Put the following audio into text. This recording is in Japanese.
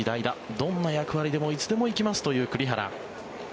どんな役割でもいつでも行きますという栗原。